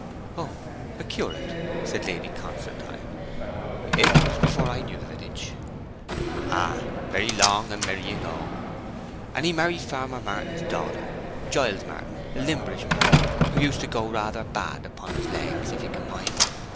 'Oh, curate,' said Lady Constantine. 'It was before I knew the village.' 'Ay, long and merry ago! And he married Farmer Martin's daughter Giles Martin, a limberish man, who used to go rather bad upon his lags, if you can mind.